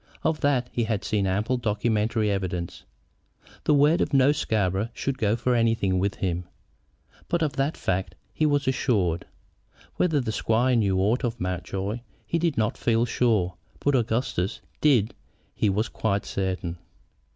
Of that he had seen ample documentary evidence. The word of no Scarborough should go for anything with him; but of that fact he was assured. Whether the squire knew aught of Mountjoy he did not feel sure, but that Augustus did he was quite certain.